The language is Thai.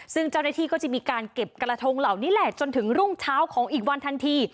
ซึ่งเจ้าหน้าที่ก็จะมีการเก็บกระทงเหล่านี้แหละจนถึงรุ่งเช้าของอีกวันทันที